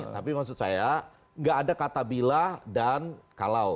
tapi maksud saya nggak ada kata bila dan kalau